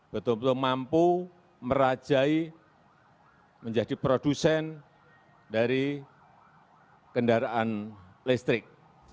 betul betul mampu merajai menjadi produsen dari kendaraan listrik